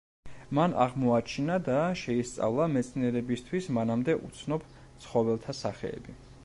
მან აღმოაჩინა და შეისწავლა მეცნიერებისთვის მანამდე უცნობ ცხოველთა სახეები.